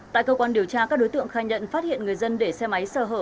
tại cơ quan điều tra các đối tượng khai nhận phát hiện người dân để xe máy sờ hở